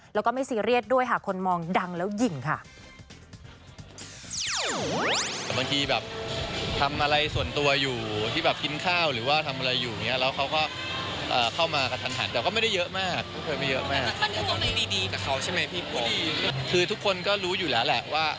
แล้วก็ไม่ซีเรียสด้วยหากคนมองดังแล้วหญิงค่ะ